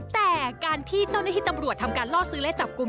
แต่การที่เจ้าหน้าที่ตำรวจทำการล่อซื้อและจับกลุ่ม